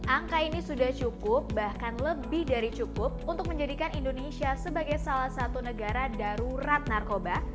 angka ini sudah cukup bahkan lebih dari cukup untuk menjadikan indonesia sebagai salah satu negara darurat narkoba